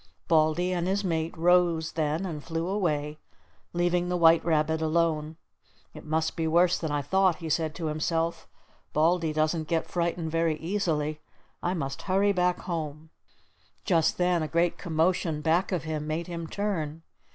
Baldy and his mate rose then and flew away, leaving the white rabbit alone. "It must be worse than I thought," he said to himself. "Baldy doesn't get frightened very easily. I must hurry back home." Just then a great commotion back of him made him turn.